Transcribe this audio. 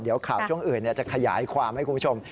เดี๋ยวข่าวช่วงอื่นจะขยายความให้คุณผู้ชม